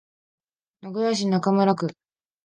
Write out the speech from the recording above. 名古屋市中村区